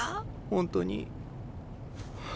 本当に。